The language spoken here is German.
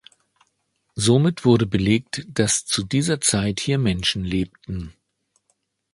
Somit wurde belegt, dass zu dieser Zeit hier Menschen lebten.